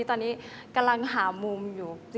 ตอนนี้กำลังหามุมอยู่